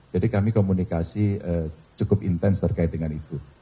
jadi kami komunikasi cukup intens terkait dengan itu